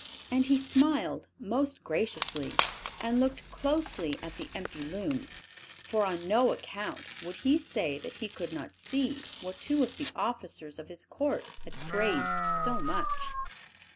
And he smiled most graciously, and looked closely at the empty looms; for on no account would he say that he could not see what two of the officers of his court had praised so much.